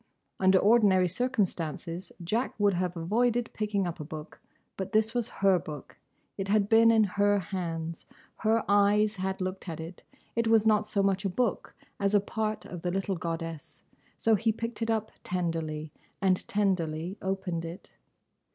Under ordinary circumstances Jack would have avoided picking up a book; but this was her book; it had been in her hands; her eyes had looked at it; it was not so much a book as a part of the little goddess; so he picked it up tenderly and tenderly opened it.